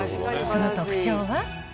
その特徴は。